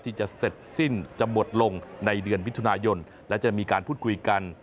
ที่จะเสร็จสิ้นจะหมดลงในเดือนมิถุนายนและจะมีการพูดคุยกัน